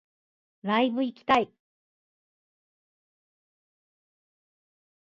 ライブ行きたい